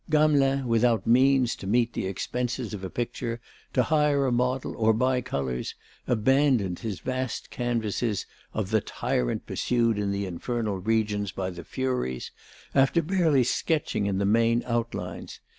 Gamelin, without means to meet the expenses of a picture, to hire a model or buy colours, abandoned his vast canvas of The Tyrant pursued in the Infernal Regions by the Furies, after barely sketching in the main outlines.